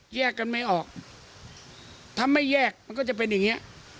แยกกันไม่ออกถ้าไม่แยกมันก็จะเป็นอย่างเงี้ย